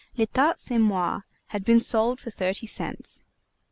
L'etat c'est moi had been sold for thirty cents!